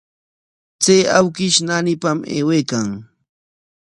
Chay awkish naanipam aywaykan.